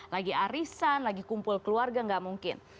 lagi arisan lagi kumpul keluarga nggak mungkin